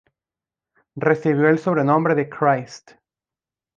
Recibió el sobrenombre de Christ.